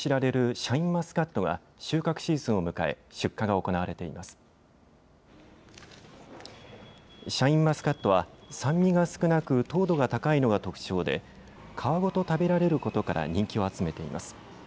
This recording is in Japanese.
シャインマスカットは酸味が少なく、糖度が高いのが特徴で皮ごと食べられることから人気を集めています。